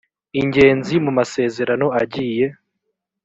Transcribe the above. ingenzi mu masezerano agiye